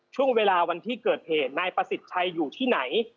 ช่วงเวลาวันที่เกิดเหตุนายประสิทธิ์ชัยอยู่ที่ไหน